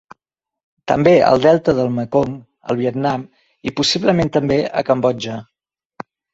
També al delta del Mekong al Vietnam i, possiblement també, a Cambodja.